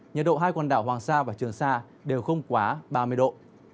nhiệt độ hai quần đảo hoàng sa và trường sa đều không quá ba mươi độ